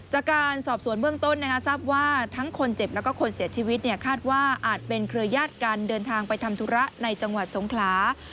จากการสอบสวนเบื้องต้นทราบว่าทั้งคนเจ็บแล้วก็คนเสียชีวิตคาดว่าอาจเป็นเครือญาติกันเดินทางไปทำธุระในจังหวัดสงขลา